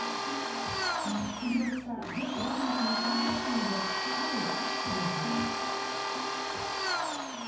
出場した女子ダブルスの３回戦であるアクシデントが。